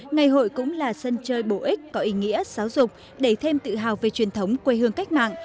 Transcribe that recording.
ngày hội cũng là sân chơi bổ ích có ý nghĩa giáo dục đẩy thêm tự hào về truyền thống quê hương cách mạng